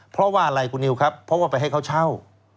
เพราะว่าอะไรคุณนิวครับเพราะว่าไปให้เขาเช่า